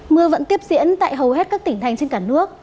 mưa vẫn tiếp diễn tại hầu hết các tỉnh thành trên cả nước